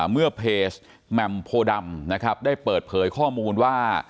เมื่อเพจแหม่มโพดำนะครับได้เปิดเผยข้อมูลว่า